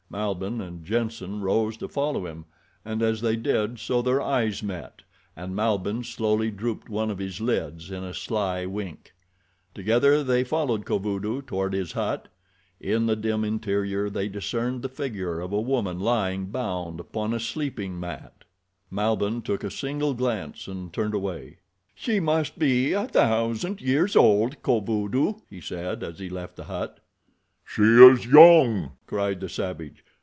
Malbihn and Jenssen rose to follow him and as they did so their eyes met, and Malbihn slowly drooped one of his lids in a sly wink. Together they followed Kovudoo toward his hut. In the dim interior they discerned the figure of a woman lying bound upon a sleeping mat. Malbihn took a single glance and turned away. "She must be a thousand years old, Kovudoo," he said, as he left the hut. "She is young," cried the savage.